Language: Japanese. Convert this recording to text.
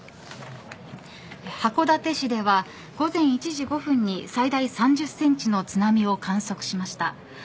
函館市では午前１時５分に最大３０センチの津波を観測しました。